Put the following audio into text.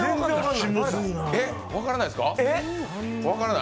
分からないですか？